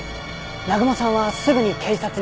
南雲さんはすぐに警察に通報。